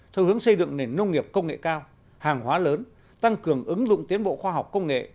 theo hướng xây dựng nền nông nghiệp công nghệ cao hàng hóa lớn tăng cường ứng dụng tiến bộ khoa học công nghệ